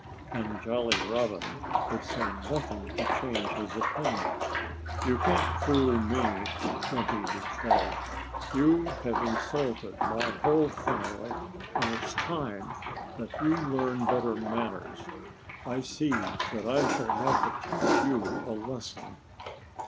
And Jolly Robin could say nothing to change his opinion. "You can't fool me," Grunty declared. "You have insulted my whole family. And it's time that you learned better manners. I see that I shall have to teach you a lesson."